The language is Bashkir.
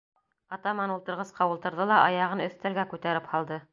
Атаман ултырғысҡа ултырҙы ла аяғын өҫтәлгә күтәреп һалды.